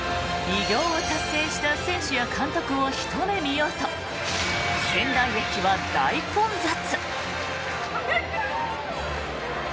偉業を達成した選手や監督をひと目見ようと仙台駅は大混雑。